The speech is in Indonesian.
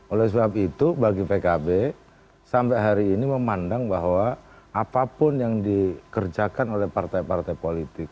oleh sebab itu bagi pkb sampai hari ini memandang bahwa apapun yang dikerjakan oleh partai partai politik